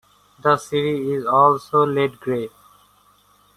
The cere is also lead grey.